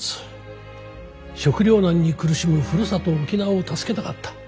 食糧難に苦しむふるさと沖縄を助けたかった。